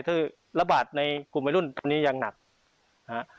คือระบาดในกลุ่มวัยรุ่นคนนี้ยังหนักนะฮะ